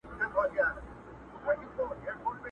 څه ووایم چي یې څرنګه آزار کړم،